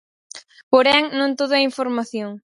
Porén, non todo é información.